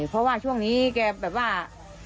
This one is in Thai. เพราะว่าช่วงนี้แกแบบว่า